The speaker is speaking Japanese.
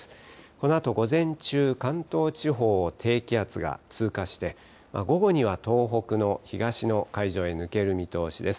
このあと午前中、関東地方を低気圧が通過して、午後には東北の東の海上へ抜ける見通しです。